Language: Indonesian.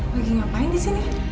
lagi ngapain disini